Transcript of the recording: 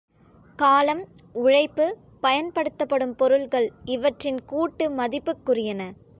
காலம், உழைப்பு, பயன்படுத்தப்படும் பொருள்கள் இவற்றின் கூட்டு மதிப்புக்குரியன.